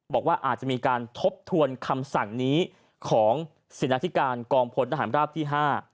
บอกว่าอาจจะมีการทบทวนคำสั่งนี้ของศิลธิการกองพลทหารราบที่๕